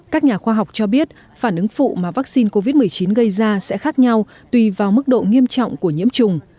các nhà khoa học cho biết phản ứng phụ mà vaccine covid một mươi chín gây ra sẽ khác nhau tùy vào mức độ nghiêm trọng của nhiễm trùng